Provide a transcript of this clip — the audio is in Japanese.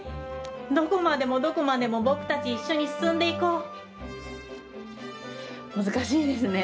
どこまでもどこまでも僕たち一緒に進んでいこう。